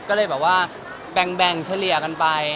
ก็เลยแบบว่าแบ่งเฉลี่ยกันไป